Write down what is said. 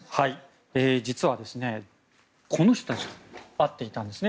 実はこの人たちと会っていたんですね。